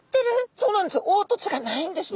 そうなんですよ。